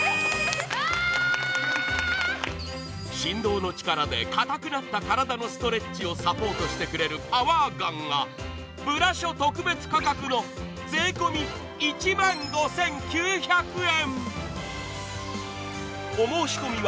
振動の力でかたくなって体のストレッチをサポートしてくれるパワーガンが、ブラショ得別価格の税込み１万５９００円！